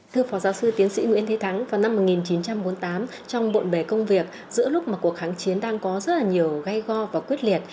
thưa phó giáo sư tiến sĩ nguyễn thế thắng vào năm một nghìn chín trăm bốn mươi tám trong bộn bề công việc giữa lúc mà cuộc kháng chiến đang có rất là nhiều gây go và quyết liệt